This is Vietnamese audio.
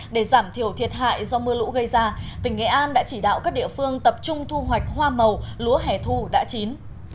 để giảm thiểu thiệt hại do mưa lũ gây ra tỉnh nghệ an đã chỉ đạo các địa phương tập trung thu hoạch hoa màu lúa hẻ thu đã chín